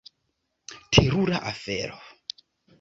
Terura afero.